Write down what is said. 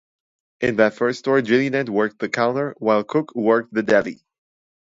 In that first store, Gilliland worked the counter, while Cook worked the deli.